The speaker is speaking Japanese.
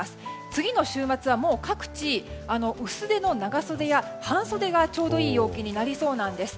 次の週末は各地、薄手の長袖や半袖がちょうどいい陽気になりそうなんです。